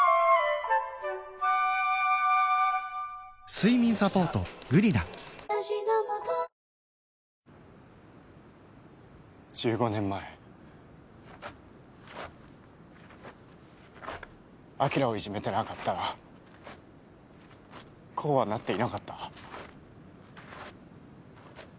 睡眠サポート「グリナ」１５年前晶をいじめてなかったらこうはなっていなかった。